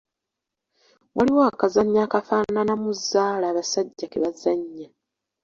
Waliwo akazannyo akafaananamu zzaala abasajja ke bazannya.